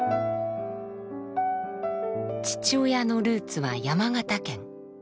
父親のルーツは山形県。